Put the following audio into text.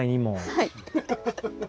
はい。